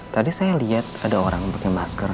tadi saya liat ada orang pake masker